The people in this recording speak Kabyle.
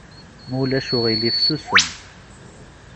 Ma ulac aɣilif susem!